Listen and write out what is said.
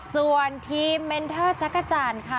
ส่วนทีมเมนเทอร์จักรจันทร์ค่ะ